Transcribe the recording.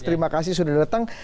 terima kasih sudah datang